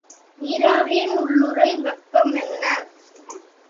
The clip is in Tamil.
நீராவியின் உள்ளுறை வெப்பம் என்ன?